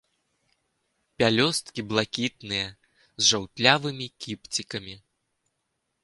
Пялёсткі блакітныя, з жаўтлявымі кіпцікамі.